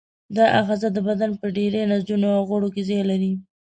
دا آخذه د بدن په ډېری نسجونو او غړو کې ځای لري.